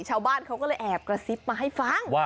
ชาวบ้านเขาก็เลยแอบกระซิบมาให้ฟัง